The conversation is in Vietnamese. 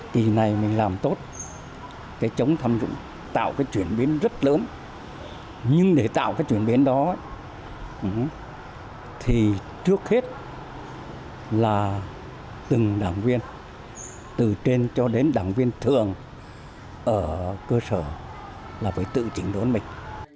kỳ này mình làm tốt cái chống tham dụng tạo cái chuyển biến rất lớn nhưng để tạo cái chuyển biến đó thì trước hết là từng đảng viên từ trên cho đến đảng viên thường ở cơ sở là phải tự chỉnh đốn mình